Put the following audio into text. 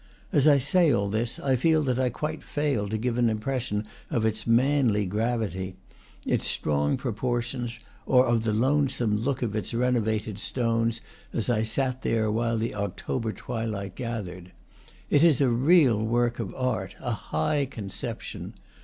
As I say all this, I feel that I quite fail to give an impression of its manly gravity, its strong proportions or of the lone some look of its renovated stones as I sat there while the October twilight gathered. It is a real work of art, a high conception.